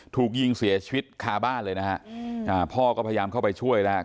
ถูกยิงเสียชีวิตคาบ้านเลยนะฮะพ่อก็พยายามเข้าไปช่วยแล้ว